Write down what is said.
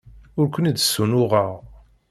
Ur ken-id-ssunuɣeɣ.